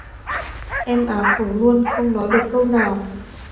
Em á khẩu luôn không nói được câu nào